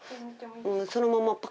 そのまま。